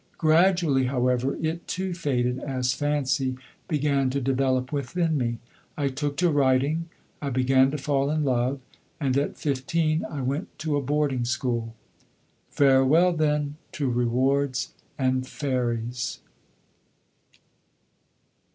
Gradually, however, it too faded as fancy began to develop within me. I took to writing, I began to fall in love; and at fifteen I went to a boarding school. Farewell, then, to rewards and fairies!